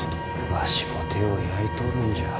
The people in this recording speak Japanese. わしも手を焼いとるんじゃ。